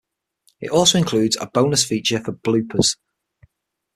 It also includes a bonus feature for bloopers.